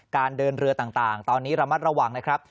การเดินเรือต่างตอนนี้ระมัดระวังนะครับ